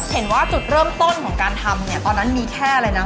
เห็นว่าจุดเริ่มต้นของการทำเนี่ยตอนนั้นมีแค่อะไรนะ